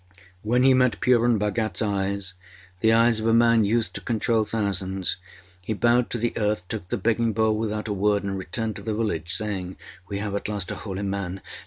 When he met Purun Bhagatâs eyes the eyes of a man used to control thousands he bowed to the earth, took the begging bowl without a word, and returned to the village, saying, âWe have at last a holy man.